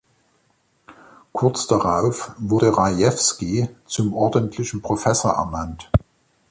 Kurz darauf wurde Rajewsky zum ordentlichen Professor ernannt.